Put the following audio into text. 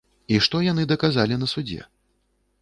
І што яны даказалі на судзе?